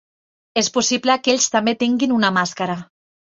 És possible que ells també tinguin una màscara.